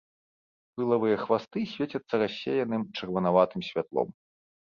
Пылавыя хвасты свецяцца рассеяным чырванаватым святлом.